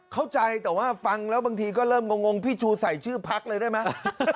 เข้าใจแต่ว่าฟังแล้วบางทีก็เริ่มงงพี่ชูใส่ชื่อพักเลยได้ไหม